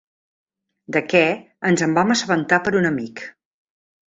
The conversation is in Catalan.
De què ens en vam assabentar per un amic.